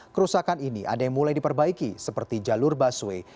kerusakan ini ada yang mulai diperbaiki seperti jalur busway